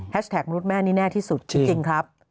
แท็กมนุษย์แม่นี่แน่ที่สุดจริงครับ